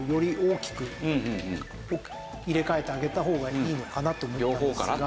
入れ替えてあげた方がいいのかなと思ったんですが。